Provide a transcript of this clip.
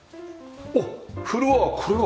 おっフロアこれは？